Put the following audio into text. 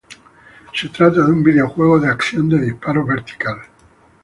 Se trata de un videojuego de acción de disparos vertical.